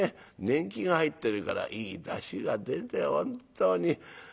年季が入ってるからいいダシが出て本当に。